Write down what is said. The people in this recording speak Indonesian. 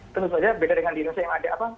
tentu saja beda dengan di indonesia yang ada